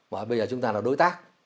bây giờ chúng ta là đối tác